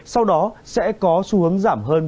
sau đó sẽ có xu hướng giảm hơn